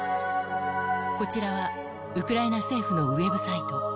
こちらはウクライナ政府のウェブサイト。